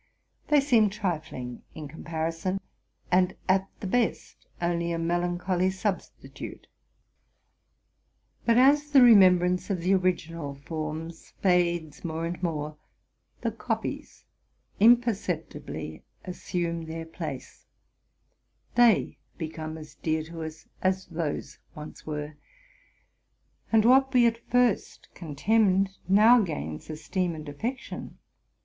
They seem trifling in comparison, and at the best only a melan choly substitute. But, as the remembrance of the original forms fades more and more, the copies imperceptibly assume their place: they become as dear to us as those once were, and what we at first contemned now gains esteem and affec tion.